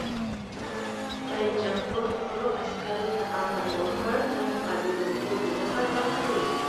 رئیس جمهور خپلو عسکرو ته امر وکړ؛ د مخابرو کوډونه بدل کړئ!